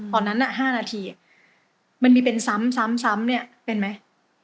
ตอนนั้น๕นาทีมันมีเป็นซ้ำเนี่ยเป็นไหม